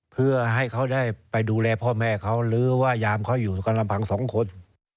เพื่อให้เขาได้ไปดูแลพ่อแม่เขาหรือว่ายามเขาอยู่กันลำพังสองคน